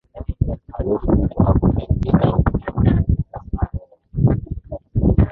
halafu mtu hakupendi au mtu ana kisasi na wewe